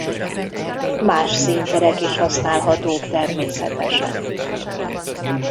Más színterek is használhatók természetesen.